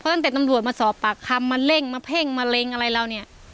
ตั้งแต่ตำรวจมาสอบปากคำมาเร่งมาเพ่งมะเร็งอะไรเราเนี่ย